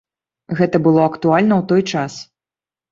Гэта было актуальна ў той час.